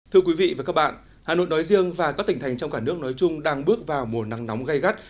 thưa quý vị và các bạn hà nội nói riêng và các tỉnh thành trong cả nước nói chung đang bước vào mùa nắng nóng gây gắt